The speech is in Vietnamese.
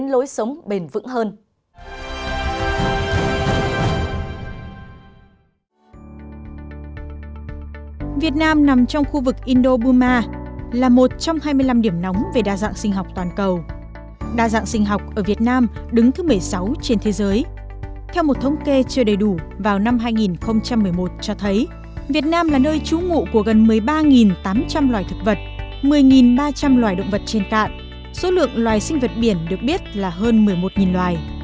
một mươi ba trăm linh loài động vật trên cạn số lượng loài sinh vật biển được biết là hơn một mươi một loài